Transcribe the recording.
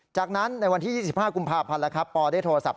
จากนั้นในวันที่๒๕กุมภาพันธ์ปได้โทรศัพท์